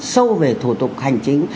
sâu về thủ tục hành chính